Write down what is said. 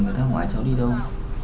người ta hỏi cháu đi đâu